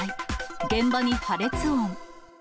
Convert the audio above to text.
現場に破裂音。